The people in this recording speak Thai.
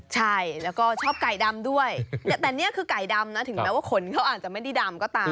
ใช่แล้วก็ชอบไก่ดำด้วยแต่นี่คือไก่ดำนะถึงแม้ว่าขนเขาอาจจะไม่ได้ดำก็ตาม